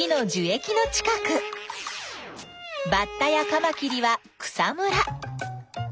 バッタやカマキリは草むら。